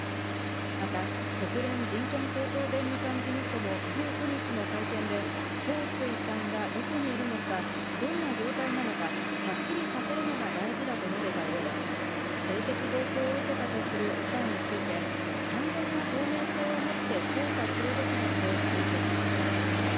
また、国連人権高等弁務官事務所も１９日の会見で、ホウ・スイさんがどこにいるのか、どんな状態なのか、はっきりさせるのが大事だと述べた上で、性的暴行を受けたとする訴えについて完全な透明性をもって調査するべきだと強調しました。